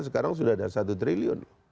sekarang sudah ada satu triliun